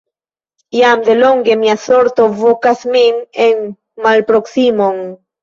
Jam de longe mia sorto vokas min en malproksimon!